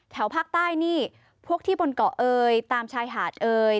แถวภาคใต้นี่พวกที่บนเกาะเอ่ย